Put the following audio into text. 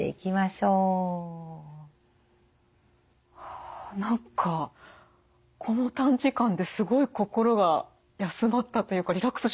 はあ何かこの短時間ですごい心が休まったというかリラックスしましたよね。